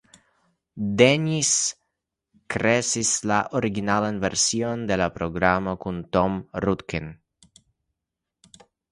Dennis kreis la originalan version de la programo kun Tom Rudkin.